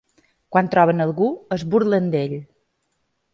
Quan troben a algú es burlen d’ell.